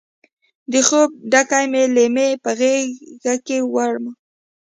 د خوب ډکې مې لیمې په غیږکې وړمه